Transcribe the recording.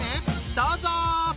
どうぞ！